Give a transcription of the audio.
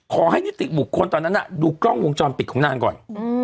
ขอให้นิติบุคคลตอนนั้นดูกล้องวงจรปิดของนางก่อน